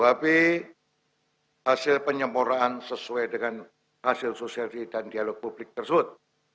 tidak berhubungan dengan hasil penyemoraan sesuai dengan hasil sosialisasi dan dialog publik tersebut